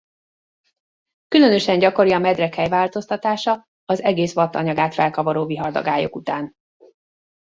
Különösen gyakori a medrek helyváltoztatása az egész watt anyagát felkavaró vihardagályok után.